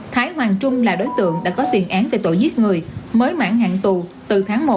thái hoàng trung là đối tượng đã có tiền án về tội giết người mới mãn hạng tù từ tháng một năm hai nghìn hai mươi một